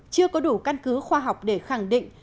chưa có đủ căn cứ khoa học để khẳng định